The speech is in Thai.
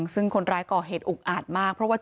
ซึ่งคนร้ายก่อเหตุอุกอาจมาก